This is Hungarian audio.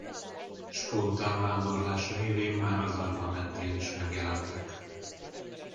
Spontán vándorlás révén már a Zagyva mentén is megjelentek.